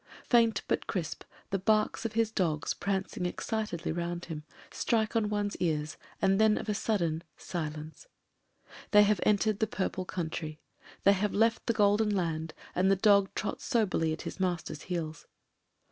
Faint, but crisp, the barks of his dog, prancing excitedly round him, strike on one's ears, and then of a sudden — silence. They have en tered the purple country; they have left the golden land, and the dog trots soberly at his master's heels.